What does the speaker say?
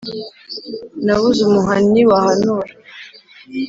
Nabuze umuhannyi wahanura